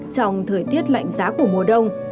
trong thời tiết lạnh giá của mùa đông